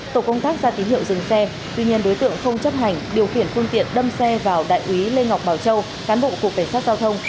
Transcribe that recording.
tổ công tác ra tín hiệu dừng xe tuy nhiên đối tượng không chấp hành điều khiển phương tiện đâm xe vào đại úy lê ngọc bảo châu cán bộ cục cảnh sát giao thông